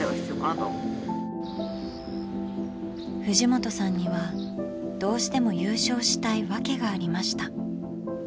藤本さんにはどうしても優勝したいわけがありました。